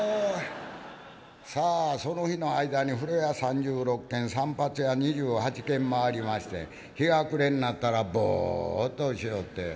さあその日の間に風呂屋３６軒散髪屋２８軒回りまして日が暮れになったらボッとしよって。